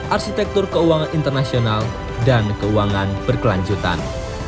arsitektur keuangan internasional dan keuangan berkelanjutan